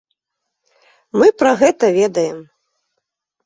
Мы пра гэта ведаем.